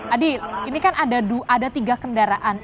adi ini kan ada tiga kendaraan